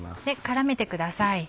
絡めてください。